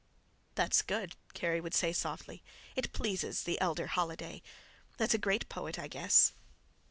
"That's good," Kerry would say softly. "It pleases the elder Holiday. That's a great poet, I guess."